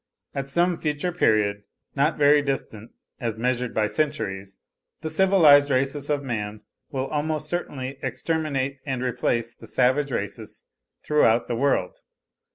At some future period, not very distant as measured by centuries, the civilised races of man will almost certainly exterminate, and replace, the savage races throughout the world.